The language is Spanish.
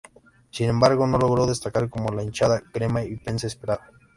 Sin embargo, no logró destacar como la hinchada crema y prensa esperaba.